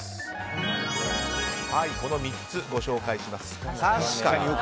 この３つ、ご紹介します。